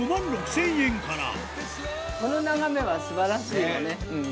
この眺めはすばらしいわね。